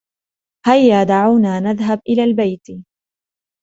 هيا. دعونا نذهب إلى البيت.